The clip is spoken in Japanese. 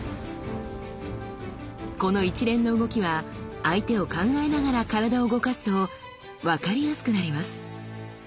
この一連の動きは相手を考えながら体を動かすと分かりやすくなります。